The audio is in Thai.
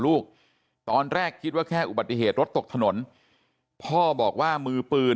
ลูกตอนแรกคิดว่าแค่อุบัติเหตุรถตกถนนพ่อบอกว่ามือปืน